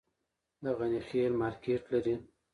د غني خیل مارکیټ لري